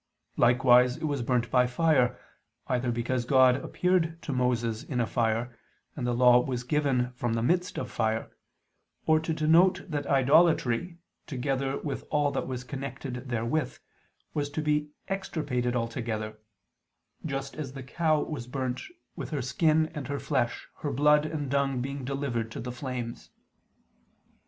Likewise it was burnt by fire, either because God appeared to Moses in a fire, and the Law was given from the midst of fire; or to denote that idolatry, together with all that was connected therewith, was to be extirpated altogether; just as the cow was burnt "with her skin and her flesh, her blood and dung being delivered to the flames."